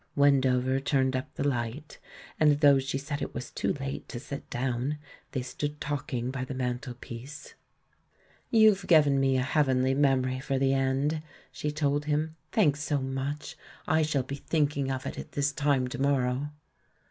Wendover turned up the light, and, though she said it was too late to sit down, they stood talking by the mantelpiece. "You've given me a heavenly memory for the end," she THE IVIAN WHO UNDERSTOOD WOMEN 9 told him; "thanks so much! I shall be thinking of it at this time to morrow."